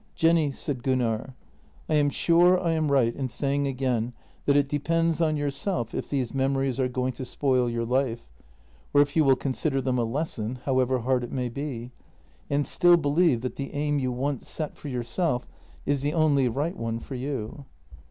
" Jenny," said Gunnar, " I am sure I am right in saying again that it depends on yourself if these memories are going to spoil your life, or if you will consider them a lesson, however hard it may be, and still believe that the aim you once set for yourself is the only right one for you."